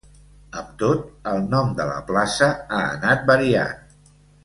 Amb tot, el nom de la plaça ha anat variant.